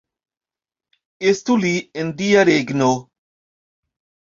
Estu li en Dia regno!